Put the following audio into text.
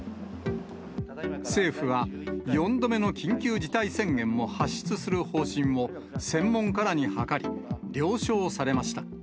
政府は、４度目の緊急事態宣言を発出する方針を専門家らに諮り、了承されました。